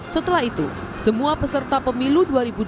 setelah itu semua peserta pemilu dua ribu dua puluh